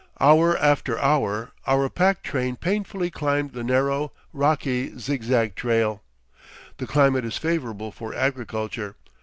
Hour after hour our pack train painfully climbed the narrow, rocky zigzag trail. The climate is favorable for agriculture.